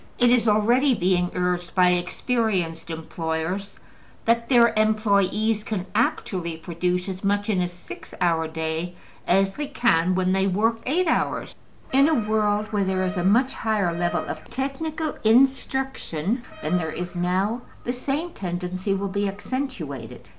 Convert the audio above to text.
It is already being urged by experienced employers that their employes can actually produce as much in a six hour day as they can when they work eight hours. In a world where there is a much higher level of technical instruction than there is now the same tendency will be accentuated.